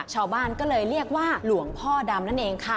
ชาวบ้านก็เลยเรียกว่าหลวงพ่อดำนั่นเองค่ะ